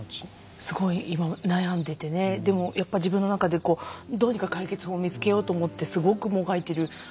すごい今悩んでてねでもやっぱ自分の中でどうにか解決法見つけようと思ってすごくもがいてる様子が本当